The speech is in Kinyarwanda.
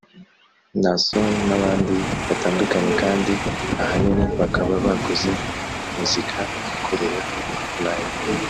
Naason n’abandi batandukanye kandi ahanini bakaba bakoze muzika ikoreweho (live)